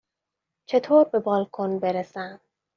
چطور به بالکن برسم؟